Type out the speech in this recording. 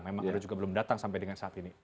memang ada juga belum datang sampai dengan saat ini